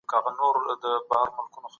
نوي تګلارې به د پس انداز کچه لوړه کړي.